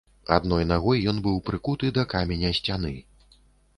Адной нагой ён быў прыкуты да каменя сцяны.